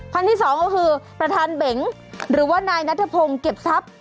คันที่สองก็คือประธานเบ๋งหรือว่านายนัทพงศ์เก็บทรัพย์